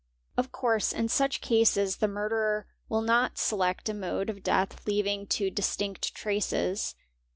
Of course in such cases the murderer will not select a mode of death leaving too distinct traces.